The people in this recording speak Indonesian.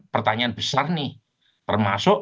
pertanyaan besar nih termasuk